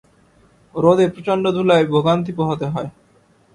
রোদে প্রচণ্ড ধুলায় ভোগান্তি পোহাতে হয়।